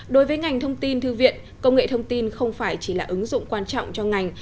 đối với ngành thông tin thư viện công nghệ thông tin không phải chỉ là ứng dụng quan trọng cho ngành